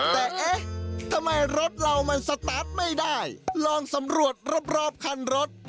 แต่เอ๊ะทำไมรถเรามันสตาร์ทไม่ได้ลองสำรวจรอบคันรถ